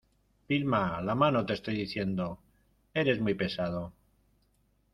Vilma, la mano te estoy diciendo. ¡ eres muy pesado!